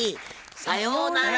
さようなら！